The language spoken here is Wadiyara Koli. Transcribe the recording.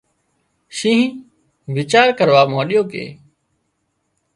شينهن ويچار ڪروا مانڏيو ڪي